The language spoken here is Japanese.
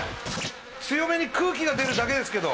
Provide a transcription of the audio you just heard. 強めに空気が出るだけですけど。